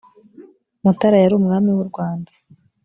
mutara yarumwami wurwanda.